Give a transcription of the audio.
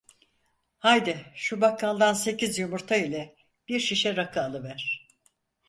Haydi, şu bakkaldan sekiz yumurta ile bir şişe rakı alıver.